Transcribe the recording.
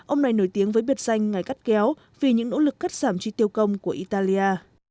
ông này nổi tiếng với biệt danh ngày cắt kéo vì những nỗ lực cắt giảm chi tiêu công của italia